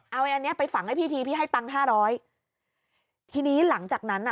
เอาอันเนี้ยไปฝังให้พี่ทีพี่ให้ตังค์ห้าร้อยทีนี้หลังจากนั้นอ่ะ